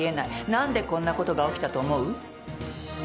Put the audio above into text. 何でこんなことが起きたと思う？